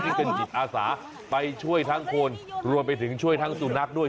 ซึ่งเป็นจิตอาสาไปช่วยทั้งคนรวมไปถึงช่วยทั้งสุนัขด้วย